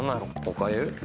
おかゆ？